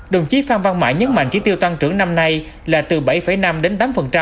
đồng chí phan văn mãi nhấn mạnh trí tiêu toàn trưởng năm nay là từ bảy năm đến tám